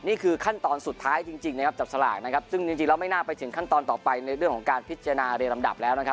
นี่คือขั้นตอนสุดท้ายจริงนะครับจับสลากนะครับซึ่งจริงแล้วไม่น่าไปถึงขั้นตอนต่อไปในเรื่องของการพิจารณาเรียนลำดับแล้วนะครับ